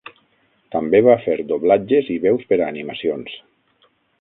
També va fer doblatges i veus per a animacions.